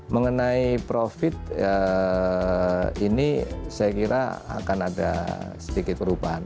mengenai profit ini saya kira akan ada sedikit perubahan